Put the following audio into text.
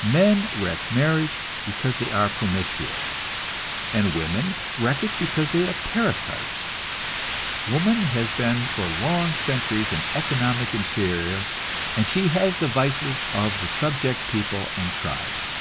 Men wreck marriage because they are promiscuous; and women wreck it because they are parasites. Woman has been for long centuries an economic inferior, and she has the vices of the subject peoples and tribes.